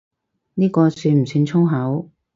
呢個算唔算粗口？